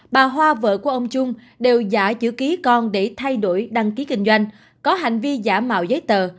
bà hoa vợ của ông trung đều giả chữ ký con để thay đổi đăng ký kinh doanh có hành vi giả mạo giấy tờ